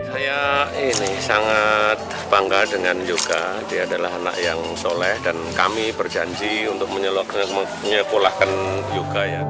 saya ini sangat bangga dengan yoga dia adalah anak yang soleh dan kami berjanji untuk menyekolahkan yoga ya